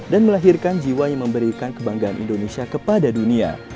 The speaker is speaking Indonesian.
melahirkan jiwa yang memberikan kebanggaan indonesia kepada dunia